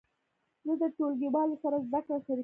زه د ټولګیوالو سره زده کړه شریکوم.